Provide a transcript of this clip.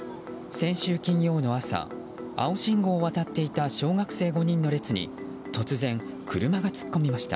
先週金曜の朝青信号を渡っていた小学生５人の列に突然、車が突っ込みました。